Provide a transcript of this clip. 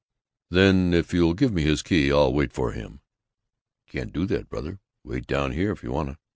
"Then if you'll give me his key, I'll wait for him." "Can't do that, brother. Wait down here if you wanna."